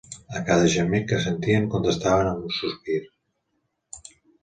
A cada gemec que sentien contestaven amb un sospir